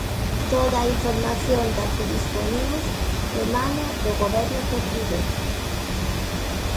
Toda a información da que dispoñemos emana do Goberno portugués.